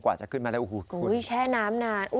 กว่าจะขึ้นมาแล้วโอ้โหคุณแช่น้ำนาน